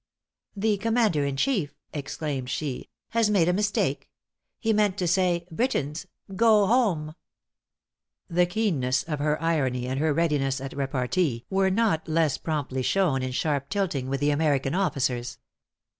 '" "The commander in chief," exclaimed she, "has made a mistake; he meant to say, 'Britons go home.'" The keenness of her irony, and her readiness at repartee, were not less promptly shown in sharp tilting with the American officers.